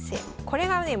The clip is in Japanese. これがね